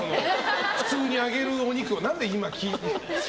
普通にあげるお肉を何で今切るの。